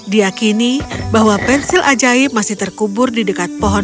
diakini bahwa pensil ajaib masih terkubur di dekat pohon